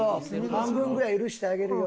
半分ぐらい許してあげるよ。